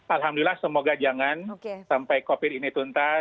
alhamdulillah semoga jangan sampai covid ini tuntas